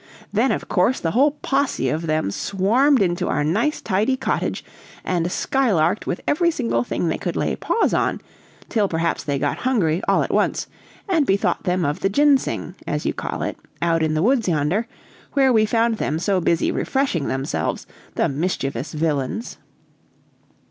Then of course the whole posse of them swarmed into our nice tidy cottage and skylarked with every single thing they could lay paws on, till perhaps they got hungry all at once, and bethought them of the 'ginseng,' as you call it, out in the woods yonder, where we found them so busy refreshing themselves, the mischievous villains!"